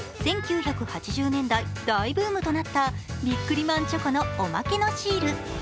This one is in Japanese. １９８０年代、大ブームとなったビックリマンチョコのおまけのシール。